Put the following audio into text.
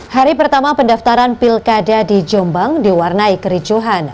hari pertama pendaftaran pilkada di jombang diwarnai kericuhan